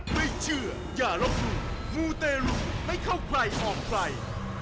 ไม่เชื่ออย่าลบหลู่มูเตรุไม่เข้าใครออกใคร